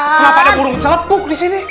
kenapa ada burung celepuk disini